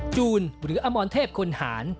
จูนหรืออมรเทพคนหาร